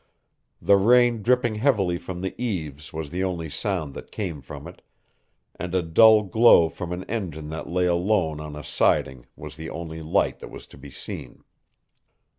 The rain dripping heavily from the eaves was the only sound that came from it, and a dull glow from an engine that lay alone on a siding was the only light that was to be seen.